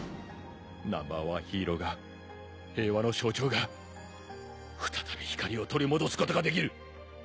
Ｎｏ．１ヒーローが平和の象徴が再び光を取り戻すことができる！